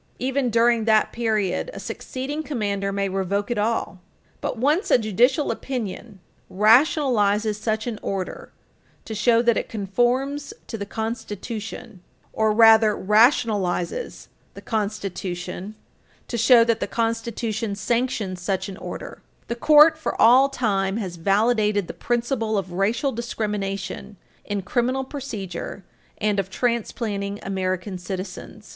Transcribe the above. Even during that period, a succeeding commander may revoke it all. But once a judicial opinion rationalizes such an order to show that it conforms to the Constitution, or rather rationalizes the Constitution to show that the Constitution sanctions such an order, the Court for all time has validated the principle of racial discrimination in criminal procedure and of transplanting American citizens.